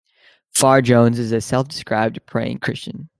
Farr-Jones is a self-described 'praying' Christian.